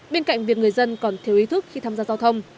bên cạnh việc người dân còn thiếu ý thức khi tham gia giao thông